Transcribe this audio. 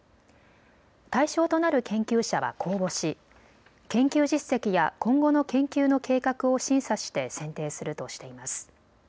対象となる研究者は公募し研究実績や今後の研究の計画を審査して選定するとしています。